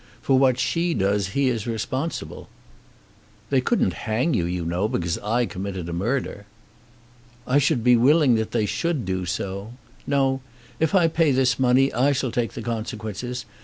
For what she does he is responsible." "They couldn't hang you, you know, because I committed a murder." "I should be willing that they should do so. No; if I pay this money I shall take the consequences.